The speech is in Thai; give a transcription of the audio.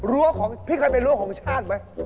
รั้วของพี่เคยเป็นรั้วของชาติไหม